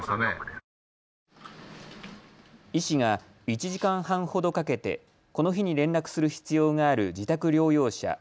医師が１時間半ほどかけてこの日に連絡する必要がある自宅療養者